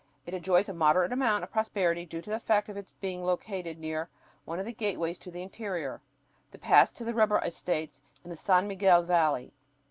It enjoys a moderate amount of prosperity due to the fact of its being located near one of the gateways to the interior, the pass to the rubber estates in the San Miguel Valley.